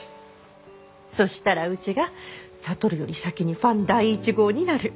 そしたらうちが智より先にファン第１号になる。